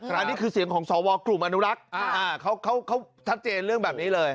อันนี้คือเสียงของสวกลุ่มอนุรักษ์เขาชัดเจนเรื่องแบบนี้เลย